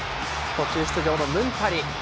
途中出場のムンタリ。